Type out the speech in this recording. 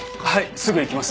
すぐ行きます。